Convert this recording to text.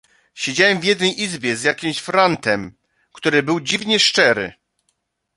"siedziałem w jednej izbie z jakimś frantem, który był dziwnie szczery."